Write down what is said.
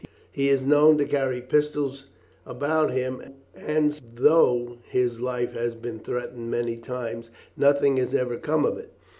He is known to carry pistols about with him, and so though his life has been threatened many times, nothing has ever come of it.